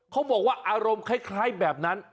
เขาบอกว่าอารมณ์คล้ายแบบนั้น